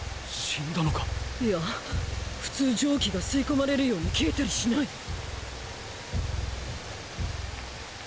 死んだのか⁉イヤ普通蒸気が吸い込まれるように消えたりしない。